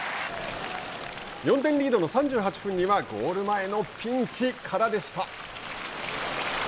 ４点リードの３８分にはゴール前のピンチからでした。